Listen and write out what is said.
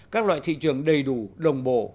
các loại thị trường đầy đủ đồng bộ